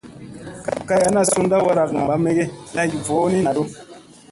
Kay ana ,sunɗa waraga, ɓaa mege lay ay voo ni naɗu.